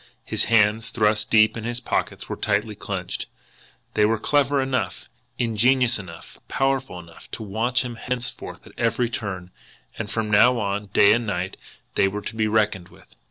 His hands, thrust deep in his pockets, were tightly clenched. They were clever enough, ingenious enough, powerful enough to watch him henceforth at every turn and from now on, day and night, they were to be reckoned with.